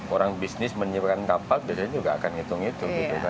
orang bisnis menyiapkan kapal biasanya juga akan ngitung itu gitu kan